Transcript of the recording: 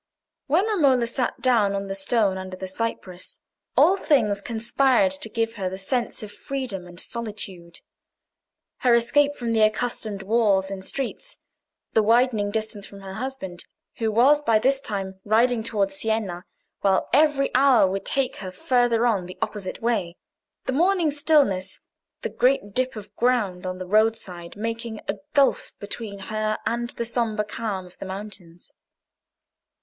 When Romola sat down on the stone under the cypress, all things conspired to give her the sense of freedom and solitude: her escape from the accustomed walls and streets; the widening distance from her husband, who was by this time riding towards Siena, while every hour would take her farther on the opposite way; the morning stillness; the great dip of ground on the roadside making a gulf between her and the sombre calm of the mountains.